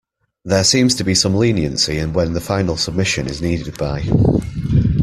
There seems to be some leniency in when the final submission is needed by.